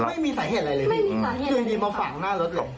ไม่มีสาเหตุอะไรเลยคือมีบุคคลหน้ารถเลย